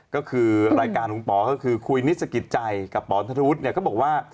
ก็คือรายการของคุณปก็คือคุยนิสกิจใจกับปณฑวุฒิก็บอกว่า